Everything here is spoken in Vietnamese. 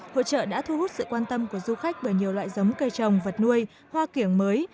hội trợ đã thu hút sự quan tâm của du khách bởi nhiều loại giống cây trồng vật nuôi hoa kiểng mới